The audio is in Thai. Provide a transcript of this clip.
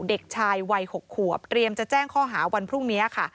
เด็กชายวัย๖ขวบเตรียมจะแจ้งข้อหาวันพรุ่งนี้ค่ะ